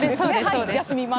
休みます。